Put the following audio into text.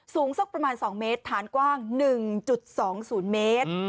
สูงสักประมาณ๒เมตรฐานกว้าง๑๒๐เมตร